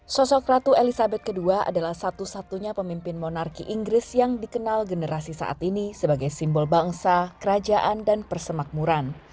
sosok ratu elizabeth ii adalah satu satunya pemimpin monarki inggris yang dikenal generasi saat ini sebagai simbol bangsa kerajaan dan persemakmuran